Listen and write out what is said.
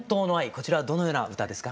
こちらはどのような歌ですか？